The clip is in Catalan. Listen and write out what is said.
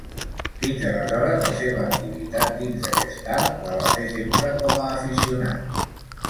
Fins aleshores, la seva activitat dins aquest art la va fer sempre com a aficionat.